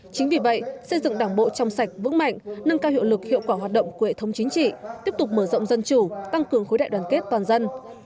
chính vì vậy xây dựng đảng bộ trong sạch vững mạnh nâng cao hiệu lực hiệu quả hoạt động của hệ thống chính trị tiếp tục mở rộng dân chủ tăng cường khối đại đoàn kết toàn dân